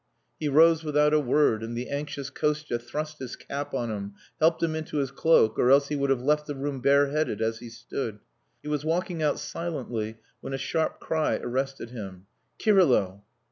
He rose without a word, and the anxious Kostia thrust his cap on him, helped him into his cloak, or else he would have left the room bareheaded as he stood. He was walking out silently when a sharp cry arrested him. "Kirylo!"